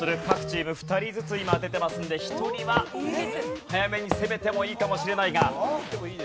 各チーム２人ずつ今出てますので１人は早めに攻めてもいいかもしれないが。